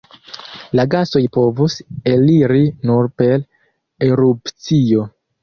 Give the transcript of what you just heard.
La gasoj povos eliri nur per erupcio.